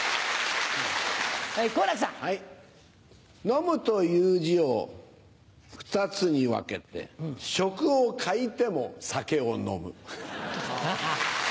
飲むという字を２つに分けて食を欠いても酒を飲む。